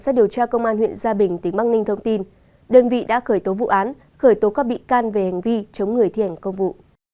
tính bắc ninh thông tin đơn vị đã khởi tố vụ án khởi tố các bị can về hành vi chống người thi hành công vụ